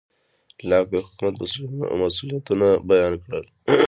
لاک د حکومت مسوولیتونه بیان کړل.